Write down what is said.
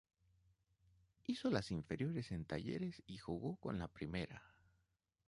Hizo las inferiores en Talleres y jugó con la Primera.